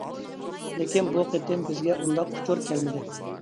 لېكىن بۇ قېتىم بىزگە ئۇنداق ئۇچۇر كەلمىدى.